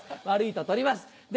悪いと取ります。